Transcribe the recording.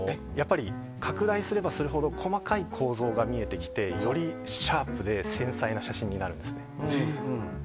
拡大すればするほど細かい構造が見えてきてよりシャープで繊細な写真になるんです。